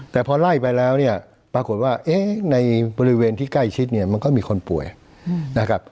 แต่พอไล่ไปแล้วเนี่ยปรากฏว่าเอ๊ะในบริเวณที่ใกล้ชิดเนี่ยมันก็มีคนป่วยนะครับ